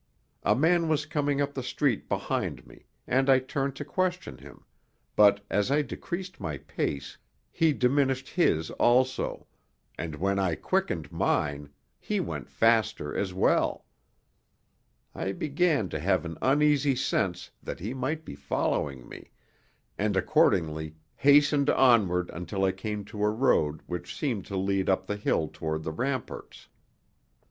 A man was coming up the street behind me, and I turned to question him, but as I decreased my pace, he diminished his also, and when I quickened mine, he went faster as well. I began to have an uneasy sense that he might be following me, and accordingly hastened onward until I came to a road which seemed to lead up the hill toward the ramparts.